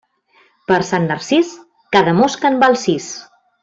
Per Sant Narcís, cada mosca en val sis.